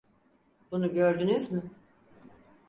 Bunu gördünüz mü?